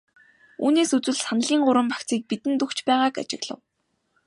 Үүнээс үзвэл саналын гурван багцыг бидэнд өгч байгааг ажиглав.